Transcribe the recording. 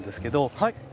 はい。